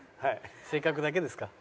性格だけですか？